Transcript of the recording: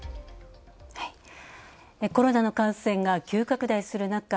コロナの感染が急拡大する中